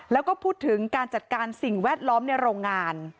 แล้วก็พูดถึงการจัดการสิ่งแวดล้อมในโรงงาน